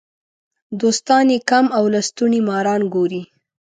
دوستان یې کم او لستوڼي ماران ګوري.